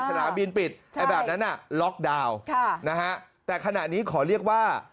สนามบินปิดไอ้แบบนั้นน่ะล็อกดาวน์แต่ขณะนี้ขอเรียกว่า